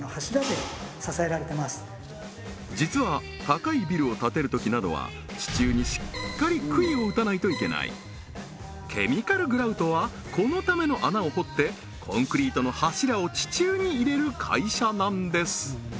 実は高いビルを建てるときなどは地中にしっかり杭を打たないといけないケミカルグラウトはこのための穴を掘ってコンクリートの柱を地中に入れる会社なんです